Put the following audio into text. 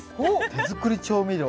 手作り調味料？